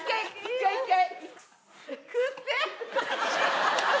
１回１回！